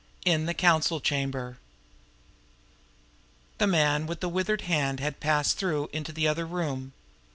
XV. IN THE COUNCIL CHAMBER The man with the withered hand had passed through into the other room.